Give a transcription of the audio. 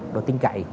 đồ tin cậy